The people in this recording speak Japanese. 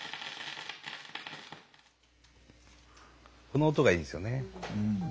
この音がいいですよね。